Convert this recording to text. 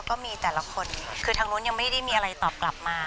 ก็มีแต่ละคนคือทางนู้นยังไม่ได้มีอะไรตอบกลับมา